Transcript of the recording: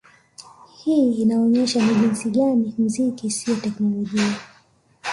Hii inaonyesha ni jinsi gani mziki siyo teknolojia